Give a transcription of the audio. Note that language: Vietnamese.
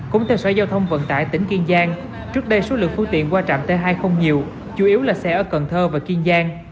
cũng theo sở giao thông vận tải tỉnh kiên giang trước đây số lượng phương tiện qua trạm t hai không nhiều chủ yếu là xe ở cần thơ và kiên giang